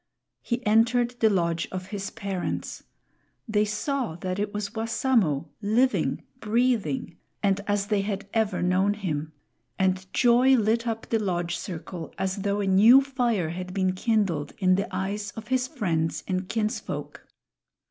He entered the lodge of his parents. They saw that it was Wassamo, living, breathing and as they had ever known him. And joy lit up the lodge circle as though a new fire had been kindled in the eyes of his friends and kinsfolk.